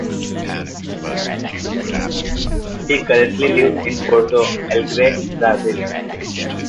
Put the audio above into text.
He currently lives in Porto Alegre, Brazil.